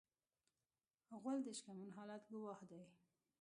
غول د شکمن حالت ګواه دی.